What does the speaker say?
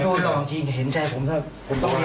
ผมต้องเลี้ยงข้าวหลาน